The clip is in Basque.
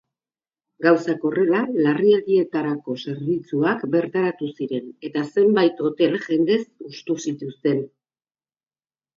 Gauzak horrela, larrialdietarako zerbitzuak bertaratu ziren eta zenbait hotel jendez hustu zituzten.